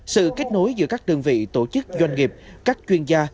sự kết nối giữa các đơn vị tổ chức doanh nghiệp các chuyên gia